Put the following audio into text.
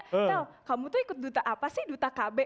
tau kamu tuh ikut duta apa sih duta kb